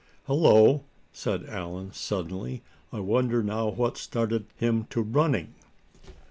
"Hello!" said Allan, suddenly, "I wonder now what started him to running?"